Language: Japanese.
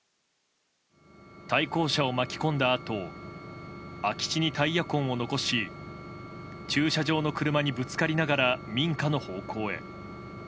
対向車を巻き込んだあと空き地にタイヤ痕を残し駐車場の車にぶつかりながら民家の方向へ。